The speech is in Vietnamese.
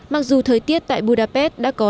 mặc dù thời tiết tại budapest đã có